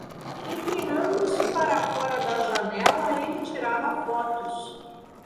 Inclinando-se para fora da janela, ele tirava fotos.